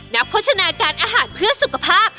โฆษณาการอาหารเพื่อสุขภาพ